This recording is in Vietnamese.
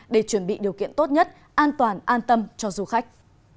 để chuẩn bị điều kiện tốt nhất an toàn an tâm cho du khách